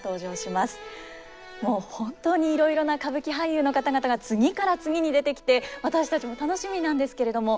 もう本当にいろいろな歌舞伎俳優の方々が次から次に出てきて私たちも楽しみなんですけれども。